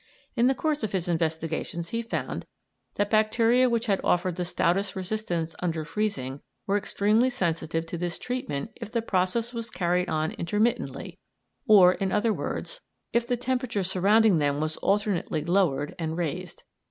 In the course of his investigations he found that bacteria which had offered the stoutest resistance under freezing were extremely sensitive to this treatment if the process was carried on intermittently, or, in order words, if the temperature surrounding them was alternately lowered and raised.